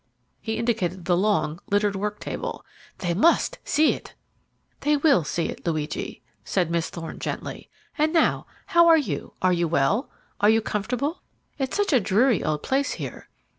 He indicated the long, littered work table. "They must see it." "They will see it, Luigi," said Miss Thorne gently. "And now, how are you? Are you well? Are you comfortable? It's such a dreary old place here."